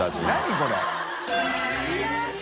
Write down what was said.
これ。